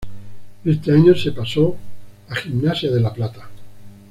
Ese año se pasó a Gimnasia de La Plata.